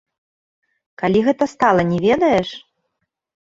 Калі гэта стала, не ведаеш?